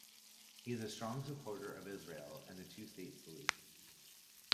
He is a strong supporter of Israel and the two-state solution.